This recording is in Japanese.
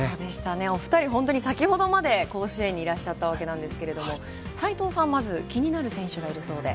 お二人先ほどまで甲子園にいらっしゃったんですが、斎藤さん、まず気になる選手がいるそうで。